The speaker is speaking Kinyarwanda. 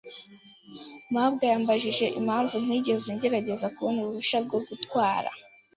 mabwa yambajije impamvu ntigeze ngerageza kubona uruhushya rwo gutwara.